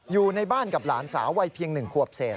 อยู่ในบ้านกับหลานสาววัยเพียง๑ขวบเศษ